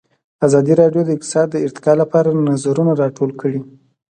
ازادي راډیو د اقتصاد د ارتقا لپاره نظرونه راټول کړي.